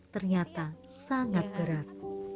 ternyata sangat gerak